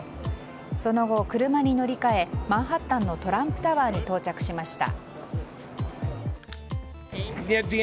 その後、車に乗り換えマンハッタンのトランプタワーに到着しました。